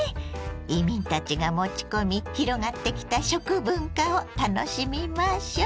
移民たちが持ち込み広がってきた食文化を楽しみましょう。